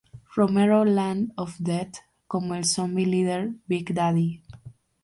Romero, Land of the Dead, como el zombie líder "Big Daddy".